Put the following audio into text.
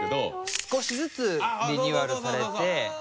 少しずつリニューアルされて。